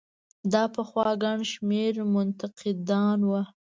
دا پخوا ګڼ شمېر منتقدان دي.